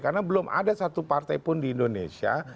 karena belum ada satu partai pun di indonesia